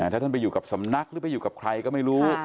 ถ้าท่านไปอยู่กับสำนักหรือไปอยู่กับใครก็ไม่รู้